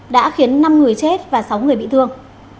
đã khiến năm người chết và sáu người bị thương